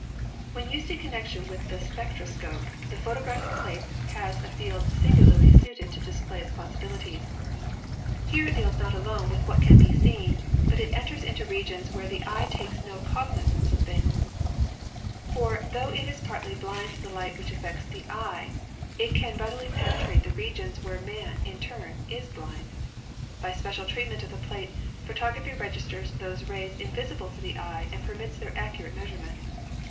When used in connection with the spectroscope the photographic plate has a field singularly suited to display 48 ASTRONOMY its possibilities. Here it deals not alone with what can be seen, but it enters into regions where the eye takes no cognizance of things. For tho it is partly b'ind to the light which affects the eye, it can readily penetrate the regions where man, in turn, is blind. By special treatment of the plate photography registers those rays invisible to the eye and permits their accurate measurement.